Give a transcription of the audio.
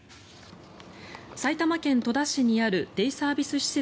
埼玉県戸田市にあるデイサービス施設